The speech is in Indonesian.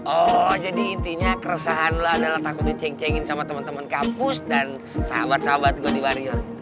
oh jadi intinya keresahan lo adalah takut diceng cengin sama temen temen kampus dan sahabat sahabat gue di warior